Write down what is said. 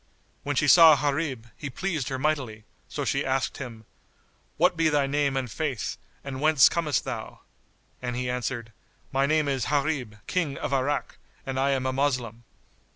When she saw Gharib, he pleased her mightily; so she asked him, "What be thy name and Faith and whence comest thou?" and he answered, "My name is Gharib King of Irak, and I am a Moslem."